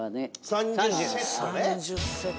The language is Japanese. ３０セット。